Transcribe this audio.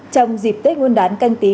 trong dịp tết nguyên đán canh tí